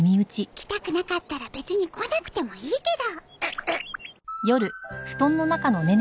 来たくなかったら別に来なくてもいいけど。